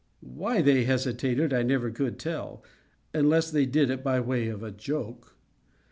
Why they hesitated I never could tell, unless they did it by way of a joke.